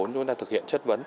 chúng ta thực hiện chất vấn